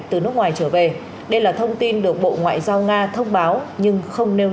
từ nước ngoài trở về đây là thông tin được bộ ngoại giao nga thông báo nhưng không nêu